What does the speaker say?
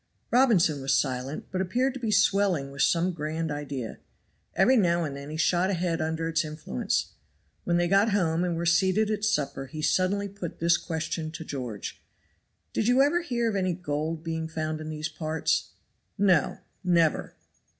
Robinson was silent, but appeared to be swelling with some grand idea. Every now and then he shot ahead under its influence. When they got home and were seated at supper, he suddenly put this question to George, "Did you ever hear of any gold being found in these parts?" "No! never!"